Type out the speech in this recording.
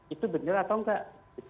itu benar atau enggak